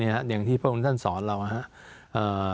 อย่างที่พบคุณท่านสอนเรานะครับ